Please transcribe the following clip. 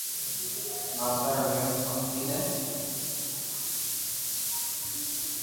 ماتا رو نيم ݾونتي ھي